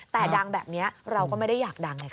แต่ดังแบบนี้เราก็ไม่ได้อยากดังไงคะ